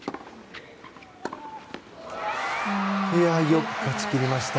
よく勝ちきりました。